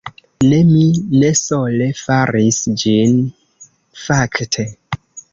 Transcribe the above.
Ne, mi ne sole faris ĝin fakte